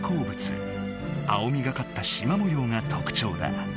青みがかったしま模様がとくちょうだ。